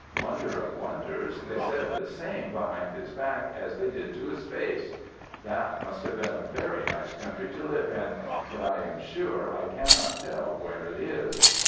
Wonder of wonders! they said the same behind his back as they did to his face! That must have been a very nice country to live in, but I am sure I cannot tell where it is.